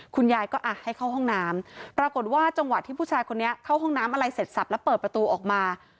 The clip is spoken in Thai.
คุณยายก็อ่ะให้เข้าห้องน้ำปรากฏว่าจังหวะที่ผู้ชายคนนี้เข้าห้องน้ำอะไรเสร็จสับแล้วเปิดประตูออกมา